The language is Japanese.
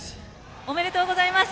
おめでとうございます。